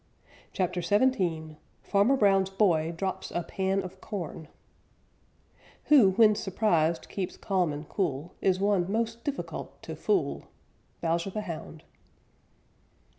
CHAPTER XVII FARMER BROWN'S BOY DROPS A PAN OF CORN Who when surprised keeps calm and cool Is one most difficult to fool. _Bowser the Hound.